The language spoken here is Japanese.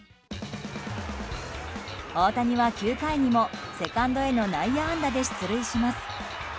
大谷は９回にもセカンドへの内野安打で出塁します。